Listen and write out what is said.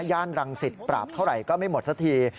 ย่านรังสิตปราบเท่าไหร่ก็ไม่หมดสักที